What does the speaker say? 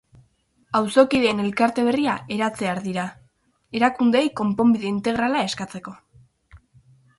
Auzokideen elkarte berria eratzear dira, erakundeei konponbide integrala eskatzeko.